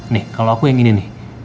nih kalau aku yang ini nih